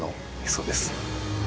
そうです。